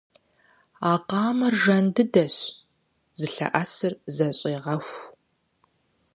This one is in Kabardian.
А къамэр жан дыдэщ, зылъэӀэсыр зэщӀегъэху.